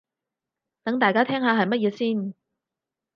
等大家聽下係乜嘢先